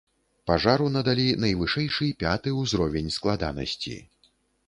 Пажару надалі найвышэйшы, пяты ўзровень складанасці.